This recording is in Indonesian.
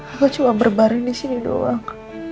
aku cuma berbaring di sini doang